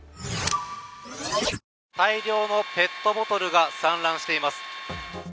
大量のペットボトルが散乱しています。